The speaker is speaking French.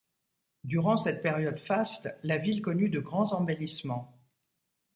Durant cette période faste, la ville connut de grands embellissements.